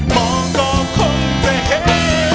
หมอก็คงจะเห็น